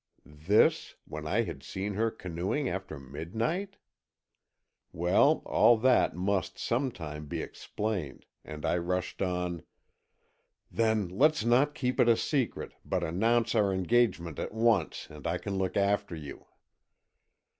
This, when I had seen her canoeing after midnight! Well, all that must some time be explained, and I rushed on: "Then, let's not keep it secret, but announce our engagement at once, and I can look after you."